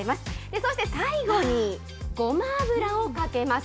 そして最後にごま油をかけます。